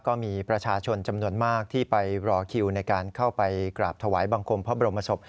ก็มีประชาชนจำนวนมากที่ไปรอคิวในการเข้าไปกราบถวายบังคมพระบรมศพ